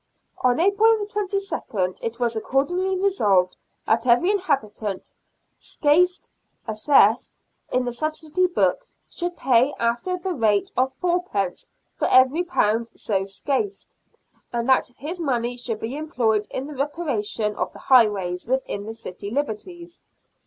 On April 22nd it was accordingly resolved that every inhabitant " scassed " (assessed) in the subsidy book should pay after the rate of fourpence for every pound so scassed, and that this money should be employed in the reparation of the highways within the city liberties.